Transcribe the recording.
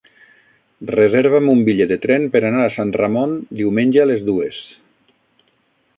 Reserva'm un bitllet de tren per anar a Sant Ramon diumenge a les dues.